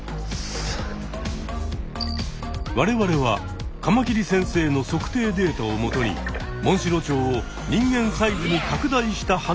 我々はカマキリ先生の測定データをもとにモンシロチョウを人間サイズに拡大したはねを作ってみた。